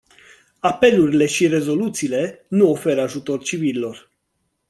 Apelurile și rezoluțiile nu oferă ajutor civililor.